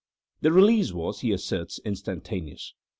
The release was, he asserts, instantaneous.